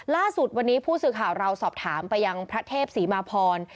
ล่าสุดวันนี้ผู้สื่อข่าวเราสอบถามไปยังพระเทพศรีมาพร